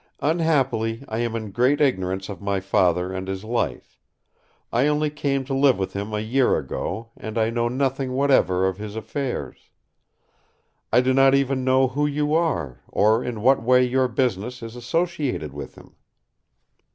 Unhappily I am in great ignorance of my Father and his life. I only came to live with him a year ago; and I know nothing whatever of his affairs. I do not even know who you are, or in what way your business is associated with him."